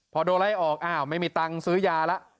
พอโดนไล่ออกอ้าวไม่มีตังค์ซื้อยาแล้ว